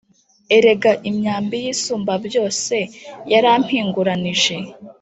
erega imyambi y’isumbabyose yarampinguranije,